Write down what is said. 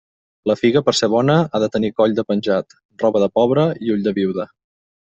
La figa, per ser bona, ha de tenir coll de penjat, roba de pobre i ull de viuda.